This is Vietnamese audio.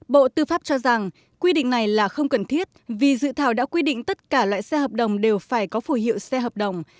bộ tư pháp cho rằng quy định này là không cần thiết vì dự thảo đã quy định tất cả loại xe hợp đồng đều phải có phù hiệu xe hợp đồng